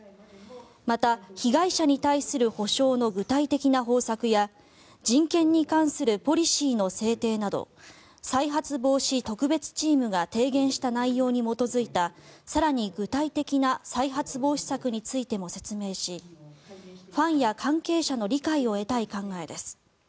また、被害者に対する補償の具体的な方策や人権に関するポリシーの制定など再発防止特別チームが提言した内容に基づいた更に具体的な再発防止策についても説明しファンや関係者の理解を得たい考えです。